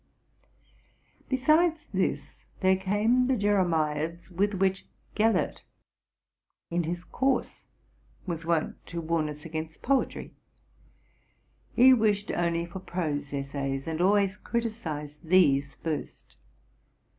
Besides this, there came the Jeremiads, with which Gel lert, in his course, was wont to warn us against poetry. He wished only for prose essays, and always criticised these first.